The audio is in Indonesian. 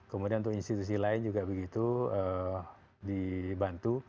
kemudian untuk institusi lain juga begitu dibantu